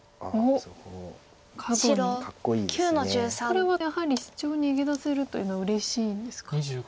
これはやはりシチョウ逃げ出せるというのはうれしいんですか。